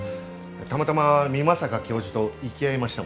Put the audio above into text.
たまたま美作教授と行き合いましたもので。